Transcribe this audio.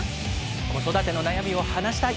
子育ての悩みを話したい。